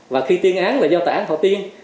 và khi tiên án là do tả án họ tiên